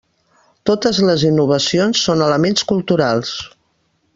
Totes les innovacions són elements culturals.